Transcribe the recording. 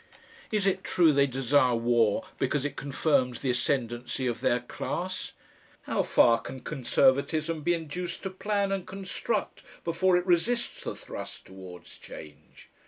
Is it true they desire war because it confirms the ascendency of their class? How far can Conservatism be induced to plan and construct before it resists the thrust towards change.